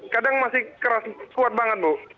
kadang masih keras kuat banget bu